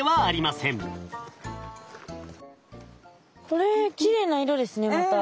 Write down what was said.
これきれいな色ですねまた。